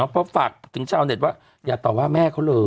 เพราะฝากถึงชาวเน็ตว่าอย่าต่อว่าแม่เขาเลย